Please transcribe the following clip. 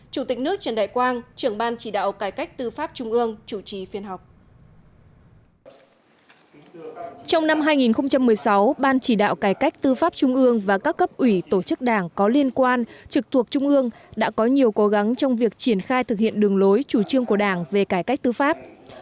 chủ tịch nước trần đại quang trưởng ban chỉ đạo cải cách tư pháp trung ương chủ trì phiên họp